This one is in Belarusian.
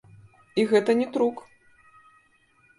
І гэта не трук.